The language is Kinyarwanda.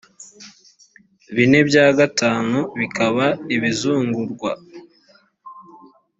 bine bya gatanu bikaba ibizungurwa